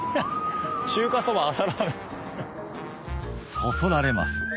そそられます